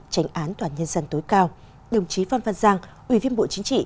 tránh án toàn nhân dân tối cao đồng chí phan văn giang ủy viên bộ chính trị